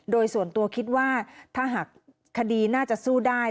โดยส่วนตัวคิดว่าถ้าหากคดีน่าจะสู้ได้